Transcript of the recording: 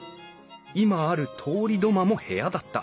今ある通り土間も部屋だった。